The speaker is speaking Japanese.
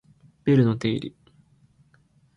ベルの定理